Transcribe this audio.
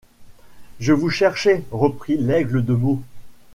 Je vous cherchais, reprit Laigle de Meaux.